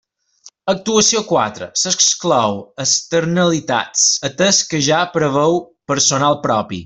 Actuació quatre: s'exclou externalitats, atès que ja preveu personal propi.